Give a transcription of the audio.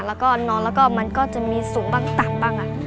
แล้วก็นอนแล้วก็มันก็จะมีสูงบ้างตับบ้าง